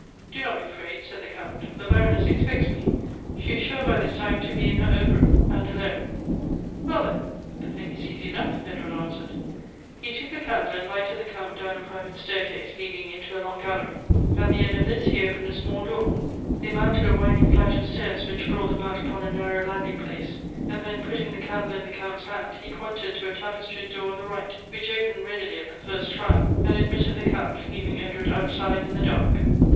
" Do not be afraid," said the Count ;" the Baroness ex pects me. She is sure by this time to be in her own room, and alone." " Well, then, the tiling is easy enough," Edward answered. He took a candle, and lighted the Count down a private staircase leading into a long gallery. At the end of this, he opened a small door. They mounted a winding flight of stairs, which brought them out upon a narrow landing f)lace ; and then, putting the candle in the Count's hand, he pointed to a tapestried door on the right, which opened readily at the firet trial, and admitted the Count, leaving Edward outside in the dark.